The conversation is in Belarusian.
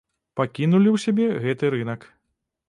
Пакінулі ў сябе гэты рынак.